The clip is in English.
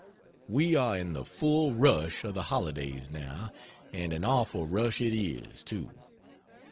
We are in the full rush of the holidays now, and an awful rush it is, too.